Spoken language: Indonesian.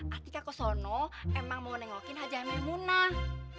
aku ke sana emang mau nengokin haji maimunah